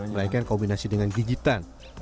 melainkan kombinasi dengan gigitan